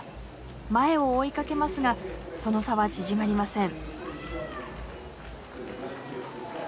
前を追いかけますがその差は縮まりません。